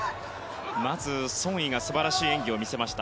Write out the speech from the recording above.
まずソン・イが素晴らしい演技を見せました。